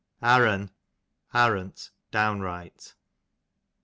Arren, arrant, downright.